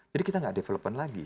jadi kita enggak development lagi